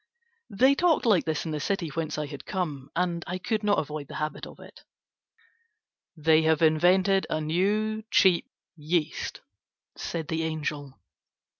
(They talked like this in the city whence I had come and I could not avoid the habit of it.) "They have invented a new cheap yeast," said the angel.